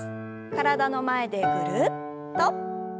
体の前でぐるっと。